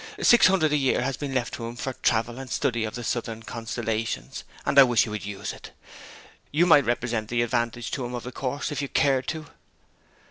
Six hundred a year has been left him for travel and study of the southern constellations; and I wish he would use it. You might represent the advantage to him of the course if you cared to.'